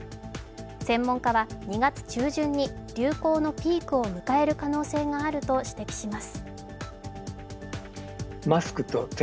専門家は２月中旬に流行のピークを迎える可能性があると指摘します。